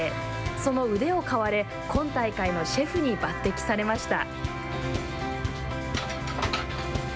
その腕を買われ今大会のシェフに抜てきされました。